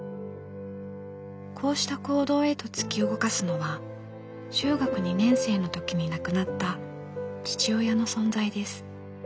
こうした行動へと突き動かすのは中学２年生の時に亡くなった父親の存在です。